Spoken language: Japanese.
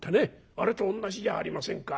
あれと同じじゃありませんか。